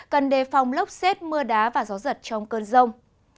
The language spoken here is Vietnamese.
cần đề phòng lốc xét mưa đá và gió giật trong cơn rông